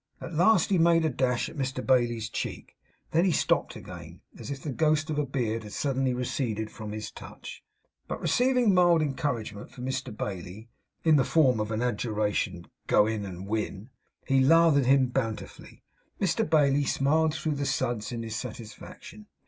At last he made a dash at Mr Bailey's cheek. Then he stopped again, as if the ghost of a beard had suddenly receded from his touch; but receiving mild encouragement from Mr Bailey, in the form of an adjuration to 'Go in and win,' he lathered him bountifully. Mr Bailey smiled through the suds in his satisfaction.